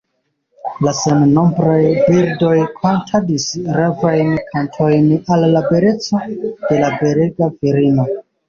La sennombraj birdoj kantadis ravajn kantojn al la beleco de la belega virino.